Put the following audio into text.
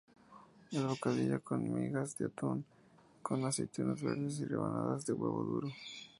El bocadillo con migas de atún, con aceitunas verdes y rebanadas de huevo duro.